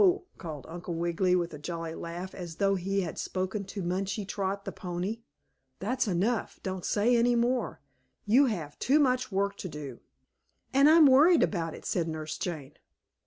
called Uncle Wiggily with a jolly laugh, as though he had spoken to Munchie Trot, the pony. "That's enough! Don't say any more. You have too much work to do." "And I'm worried about it," said Nurse Jane.